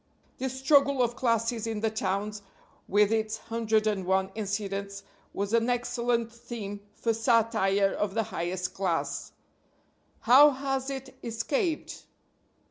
This struggle of classes in the towns, with its hundred and one incidents, was an excellent theme for satire of the highest class. How has it escaped?